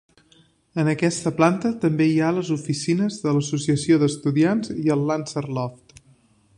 En aquesta planta també hi ha les oficines de l'associació d'estudiants i el Lancer Loft.